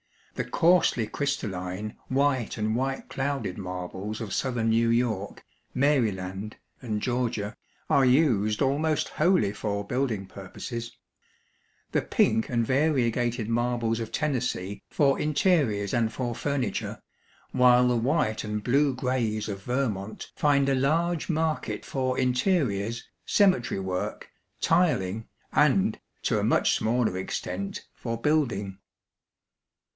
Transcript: The coarsely crystalline white and white clouded marbles of southern New York, Maryland, and Georgia, are used almost wholly for building purposes; the pink and variegated marbles of Tennessee for interiors and for furniture; while the white and blue grays of Vermont find a large market for interiors, cemetery work, tiling, and, to a much smaller extent, for building.